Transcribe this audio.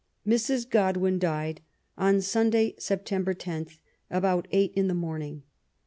Mrs. Godwin died on Sxmday, September 10, about eight in the morning.